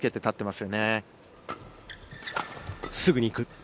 すぐに行く。